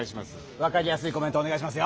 わかりやすいコメントおねがいしますよ。